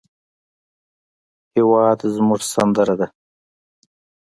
هېواد زموږ سندره ده